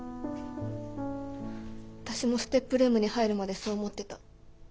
私もＳＴＥＰルームに入るまでそう思ってた。